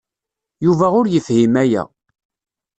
Yuba ur yefhim aya.